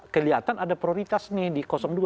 kelihatan ada prioritas nih di dua